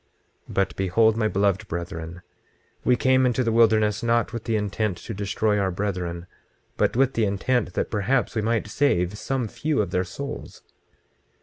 26:26 But behold, my beloved brethren, we came into the wilderness not with the intent to destroy our brethren, but with the intent that perhaps we might save some few of their souls.